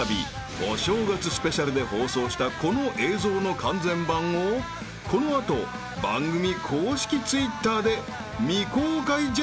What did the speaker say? ［お正月スペシャルで放送したこの映像の完全版をこの後番組公式Ｔｗｉｔｔｅｒで未公開ジャーニーしちゃいます］